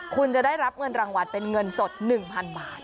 คุณจะได้รับเงินรางวัลเป็นเงินสด๑๐๐๐บาท